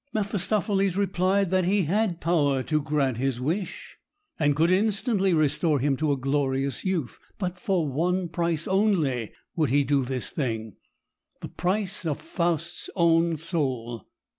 Mephistopheles replied that he had power to grant his wish, and could instantly restore him to a glorious youth; but for one price only would he do this thing the price of Faust's own soul!